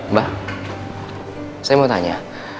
mbah saya mau tanya